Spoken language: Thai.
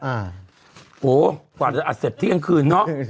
โอ้โหกว่าจะอัดเสร็จเที่ยงคืนเนอะ